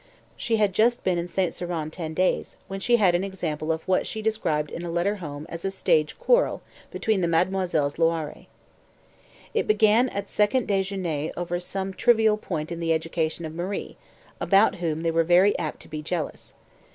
She had just been in St. Servan ten days, when she had an example of what she described in a letter home as a "stage quarrel" between the Mademoiselles Loiré. It began at second déjeuner over some trivial point in the education of Marie, about whom they were very apt to be jealous.